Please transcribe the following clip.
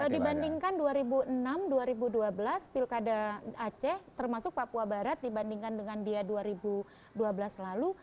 dibandingkan dua ribu enam dua ribu dua belas pilkada aceh termasuk papua barat dibandingkan dengan dia dua ribu dua belas lalu